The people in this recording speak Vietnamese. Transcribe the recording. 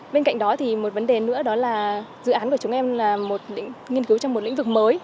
bên cạnh đó thì một vấn đề nữa đó là dự án của chúng em là một nghiên cứu trong một lĩnh vực mới